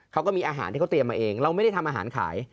เขาก็มีอาหารที่เขาเตรียมมาเองเราไม่ได้ทำอาหารขาย